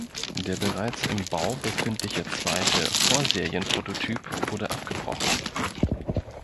Der bereits im Bau befindliche zweite Vorserien-Prototyp wurde abgebrochen.